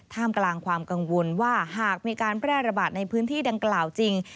ท่ามกลางความกังวลว่าหากมีการแพร่ระบาดในพื้นที่ดังกล่าวจริง